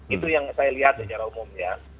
itu yang saya lihat secara umum ya